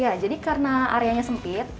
ya jadi karena areanya sempit